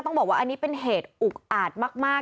ต้องบอกว่าอันนี้เป็นเหตุอุกอาจมาก